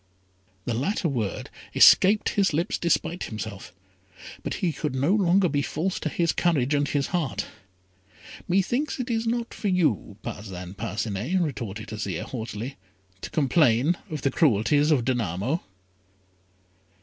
The latter word escaped his lips despite himself: but he could no longer be false to his courage and his heart. "Methinks it is not for you, Parcin Parcinet," retorted Azire, haughtily, "to complain of the cruelties of Danamo."